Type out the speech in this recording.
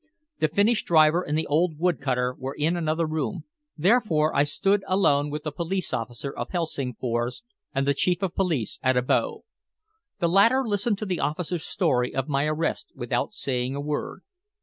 The Finnish driver and the old wood cutter were in another room, therefore I stood alone with the police officer of Helsingfors and the Chief of Police at Abo. The latter listened to the officer's story of my arrest without saying a word.